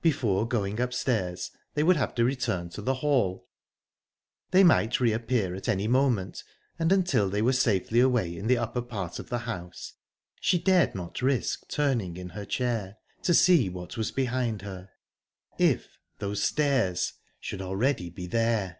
Before going upstairs they would have to return to the hall. They might reappear at any moment, and until they were safely away in the upper part of the house she dared not risk turning in her chair to see what was behind her...If those stairs should already be there!